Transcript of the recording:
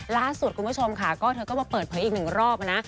ล่าสุดคุณผู้ชมค่ะก็เธอก็มาเปิดเผยอีกหนึ่งรอบนะ